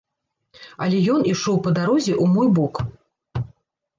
Але ён ішоў па дарозе ў мой бок.